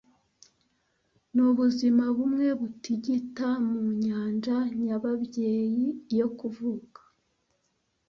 Nubuzima bumwe butigita mu nyanja-nyababyeyi yo kuvuka